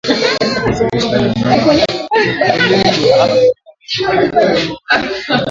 Kuwalisha wanyama katika vichaka maeneo yaliyovamiwa na kupe